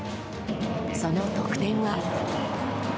その得点が。